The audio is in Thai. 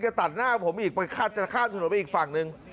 แกตัดหน้าผมอีกไปคาดหนวดไปอีกฝั่งนึง